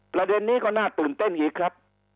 ประเด็นนี้ก็น่าตื่นเต้นอีกครับ